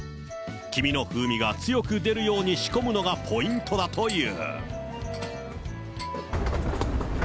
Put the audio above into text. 黄身の風味が強く出るように仕込むのがポイントだという。